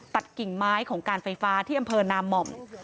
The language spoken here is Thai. กิ่งไม้ของการไฟฟ้าที่อำเภอนามหม่อม